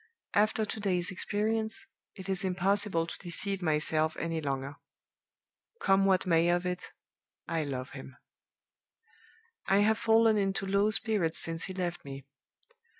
After to day's experience, it is impossible to deceive myself any longer. Come what may of it, I love him. "I have fallen into low spirits since he left me.